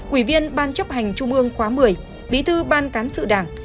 ủy viên ban chấp hành trung ương khóa một mươi bí thư ban cán sự đảng